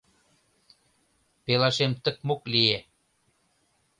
Пелашем тык-мук лие.